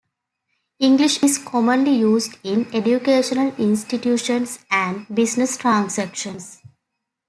English is commonly used in educational institutions and business transactions.